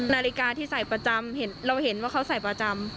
นาฬิกาที่ใส่ประจำเราเห็นว่าเขาใส่ประจำ